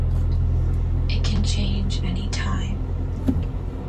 It can change any time.